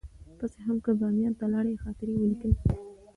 تاسې هم که باميان ته لاړئ خاطرې ولیکئ.